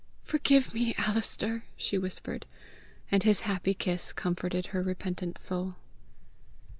"Forgive me, Alister!" she whispered; and his happy kiss comforted her repentant soul.